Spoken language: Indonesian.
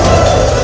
itu udah gila